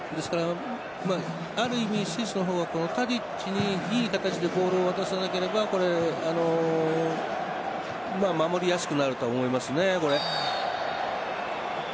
ある意味、スイスの方がタディッチにいい形でボールを渡さなければ守りやすくなるとは思いますね。